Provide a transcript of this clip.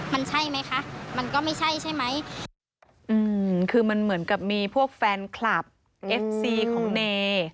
มันใช่ไหมคะมันก็ไม่ใช่ใช่ไหมอืมคือมันเหมือนกับมีพวกแฟนคลับเอฟซีของเน